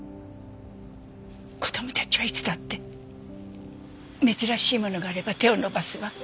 子供たちはいつだって珍しいものがあれば手を伸ばすわ。